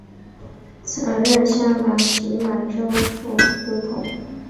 曾任镶蓝旗满洲副都统。